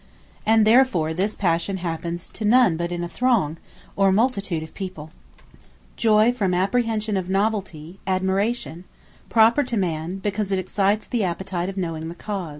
And therefore this Passion happens to none but in a throng, or multitude of people. Admiration Joy, from apprehension of novelty, ADMIRATION; proper to man, because it excites the appetite of knowing the cause.